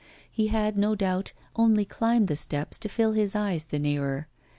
He had, no doubt, only climbed the steps to fill his eyes the nearer.